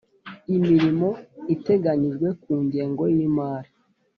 imirimo iteganyijwe ku ngengo y’imari,